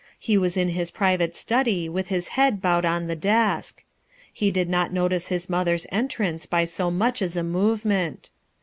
He was in hfe private study with his head bowed on the desk. H e did not notice his mother's entrance by so much as a movement.